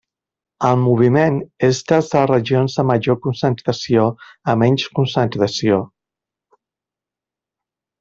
El moviment és des de regions de major concentració a menys concentració.